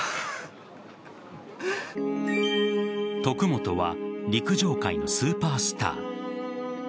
徳本は陸上界のスーパースター。